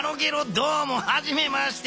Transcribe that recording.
どうもはじめまして。